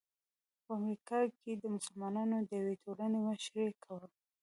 په امریکا کې د مسلمانانو د یوې ټولنې مشري کوي.